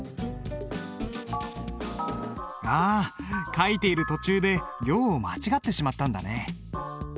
あ書いている途中で行を間違ってしまったんだね。